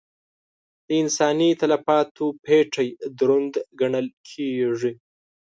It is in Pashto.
د انساني تلفاتو پېټی دروند ګڼل کېږي.